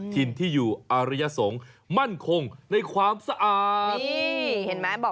ถิ่นที่อยู่อระยะสงฆ์มั่นคงในความสะอาด